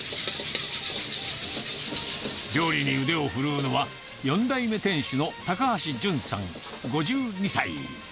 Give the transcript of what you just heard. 料理に腕を振るうのは、４代目店主の高橋淳さん５２歳。